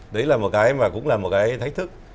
đấy là một cái mà cũng là một cái thách thức